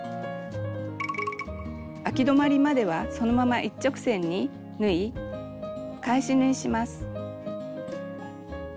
あき止まりまではそのまま一直線に縫い返し縫いします。